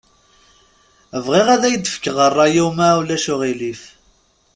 Bɣiɣ ad ak-d-fkeɣ ṛṛay-iw ma ulac aɣilif.